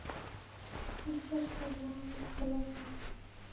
বিশ্বাস কর মা, আমি ভাল মেয়ে।